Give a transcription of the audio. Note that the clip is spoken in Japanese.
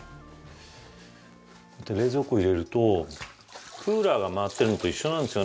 冷蔵庫入れるとクーラーが回ってるのと一緒なんですよね。